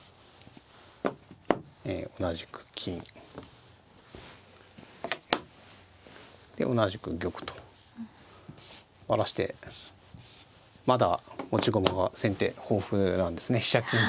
同じく金で同じく玉とバラしてまだ持ち駒が先手豊富なんですね。